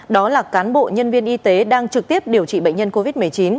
đó là cán bộ nhân viên y tế đang trực tiếp điều trị bệnh nhân covid một mươi chín